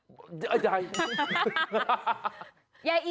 ป่า